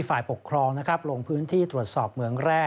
ฝ่ายปกครองนะครับลงพื้นที่ตรวจสอบเหมืองแร่